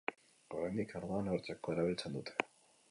Oraindik ardoa neurtzeko erabiltzen dute.